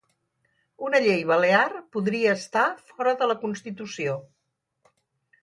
Una llei balear podria estar fora de la constitució